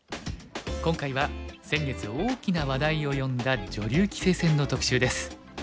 今回は先月大きな話題を呼んだ女流棋聖戦の特集です。